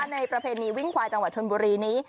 ประเพณีวิ่งควายจังหวัดชนบุรีนี้